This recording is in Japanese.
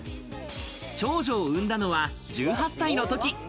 長女を産んだのは１８歳のとき。